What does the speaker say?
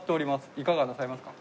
いかがなさいますか？